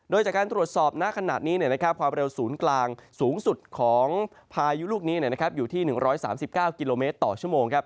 โดยจากการตรวจสอบณขณะนี้ความเร็วศูนย์กลางสูงสุดของพายุลูกนี้อยู่ที่๑๓๙กิโลเมตรต่อชั่วโมงครับ